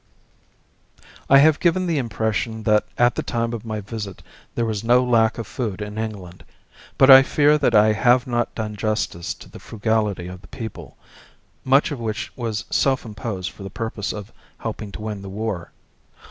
I have given the impression that at the time of my visit there was no lack of food in England, but I fear that I have not done justice to the frugality of the people, much of which was self imposed for the purpose of helping to win the war.